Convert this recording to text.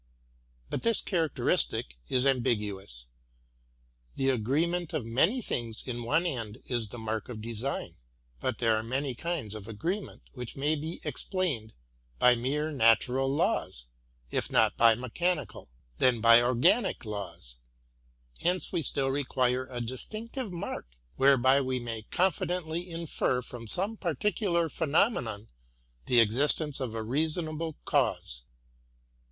But this characteristic is ambiguous; — the agreement of many things in one end is the mark of design, but there are many kinds of agreement which may be ex plained by mere natural laws, — if not by mechanical, then by organic laws; — hence we still require a distinctive mark whereby we may confidently infer from some particular phenomenon the existence of a reasonable cause.